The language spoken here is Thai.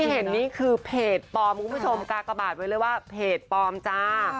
เห็นนี่คือเพจปลอมคุณผู้ชมกากบาทไว้เลยว่าเพจปลอมจ้า